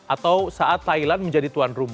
atau saat thailand menjadi tuan rumah